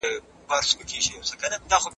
مواصلاتي لارې بايد په سمه توګه ورغول سي.